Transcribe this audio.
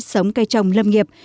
sống cây trồng lâm nghiệp